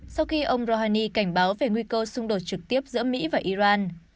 sau khi ông rohani cảnh báo về nguy cơ xung đột trực tiếp giữa mỹ và iran